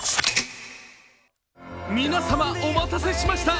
皆様、お待たせしました！